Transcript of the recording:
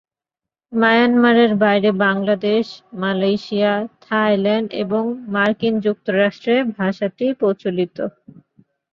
মায়ানমারের বাইরে Bangladesh, Malaysia, Thailand, এবং মার্কিন যুক্তরাষ্ট্রে ভাষাটি প্রচলিত।